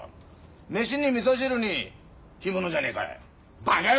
飯にみそ汁に干物じゃねえかよ。